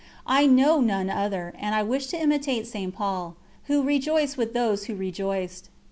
I know none other, and I wish to imitate St. Paul, who rejoiced with those who rejoiced.